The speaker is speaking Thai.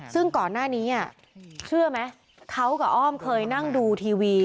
ซึ่งก่อนหน้านี้เชื่อไหมเขากับอ้อมเคยนั่งดูทีวี